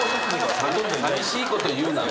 さみしいこと言うなよ。